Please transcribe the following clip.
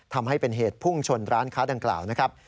ทำให้เป็นเหตุพุ่งชนร้านค้าดังกล่าวนะครับ